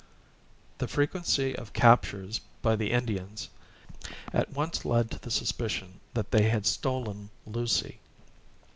The frequency of captures by the Indians, at once led to the suspicion that they had stolen Lucy.